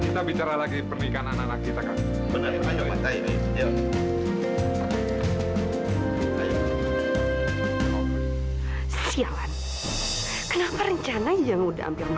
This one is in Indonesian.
diberikan ke anak anak